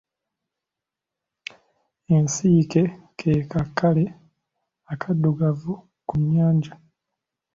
Ensiike ke kale akaddugavu ku nnyanja.